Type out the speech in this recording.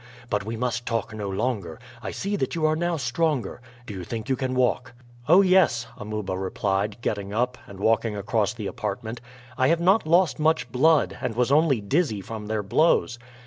But we must talk no longer; I see that you are now stronger. Do you think that you can walk?" "Oh, yes," Amuba replied, getting up and walking across the apartment. "I have not lost much blood, and was only dizzy from their blows."